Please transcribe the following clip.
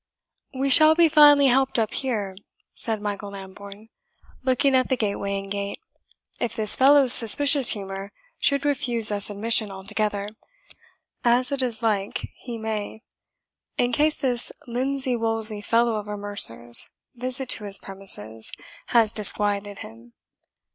"We shall be finely helped up here," said Michael Lambourne, looking at the gateway and gate, "if this fellow's suspicious humour should refuse us admission altogether, as it is like he may, in case this linsey wolsey fellow of a mercer's visit to his premises has disquieted him.